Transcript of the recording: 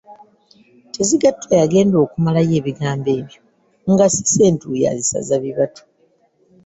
Tezigattwa yagenda okumalayo ebigambo ebyo nga Cissy entuuyo azisaza bibatu.